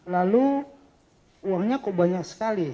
lalu uangnya kok banyak sekali